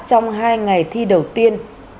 trong hai ngày thi đầu tiên